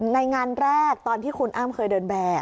ในงานแรกตอนที่คุณอ้ำเคยเดินแบร์